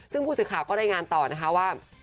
ซึ่งผู้สื่อข่าวก็ได้งานต่อนะคะว่า